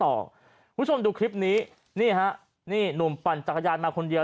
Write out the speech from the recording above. คุณผู้ชมดูคลิปนี้นี่ฮะนี่หนุ่มปั่นจักรยานมาคนเดียว